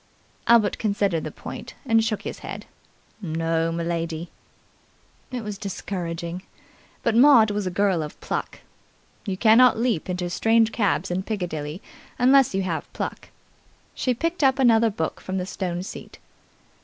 Albert considered the point, and shook his head. "No, m'lady." It was discouraging. But Maud was a girl of pluck. You cannot leap into strange cabs in Piccadilly unless you have pluck. She picked up another book from the stone seat.